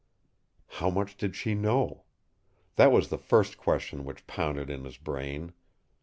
How much did she know? That was the first question which pounded in his brain.